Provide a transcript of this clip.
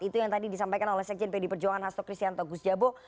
itu yang tadi disampaikan oleh sekjen pd perjuangan hasto kristianto gus jabo